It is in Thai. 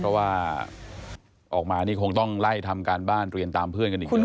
เพราะว่าออกมานี่คงต้องไล่ทำการบ้านเรียนตามเพื่อนกันอีกแล้ว